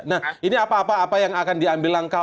nah ini apa apa yang akan diambil langkah